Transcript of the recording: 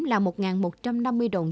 là một một trăm năm mươi đồng